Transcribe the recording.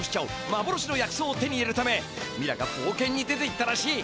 まぼろしの薬草を手に入れるためミラがぼうけんに出ていったらしい。